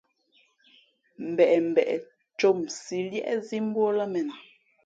Mbeʼmbeʼ ncǒmsī līēʼzī mbú ó lά mēn a.